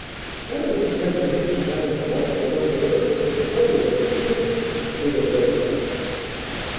"That was because you hid behind the sofa when Uncle Herbert was courting her, and kidded them," giggled Leslie.